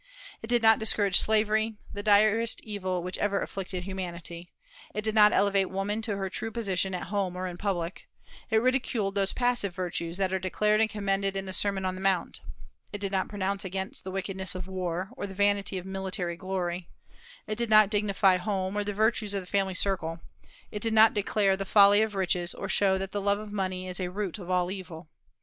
It did not discourage slavery, the direst evil which ever afflicted humanity; it did not elevate woman to her true position at home or in public; it ridiculed those passive virtues that are declared and commended in the Sermon on the Mount; it did not pronounce against the wickedness of war, or the vanity of military glory; it did not dignify home, or the virtues of the family circle; it did not declare the folly of riches, or show that the love of money is a root of all evil.